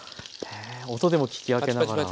へえ音でも聞き分けながら。